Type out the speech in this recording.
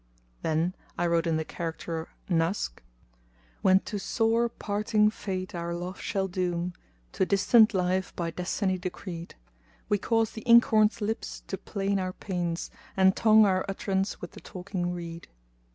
Then I wrote in the character Naskh[FN#233]:— When to sore parting Fate our love shall doom, * To distant life by Destiny decreed, We cause the inkhorn's lips to 'plain our pains, * And tongue our utterance with the talking reed.